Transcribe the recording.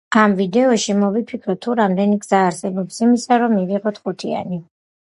ამ ვიდეოში მოვიფიქროთ, თუ რამდენი გზა არსებობს იმისა, რომ მივიღოთ ხუთიანი.